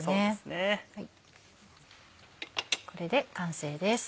これで完成です。